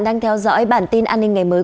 đang theo dõi bản tin an ninh ngày mới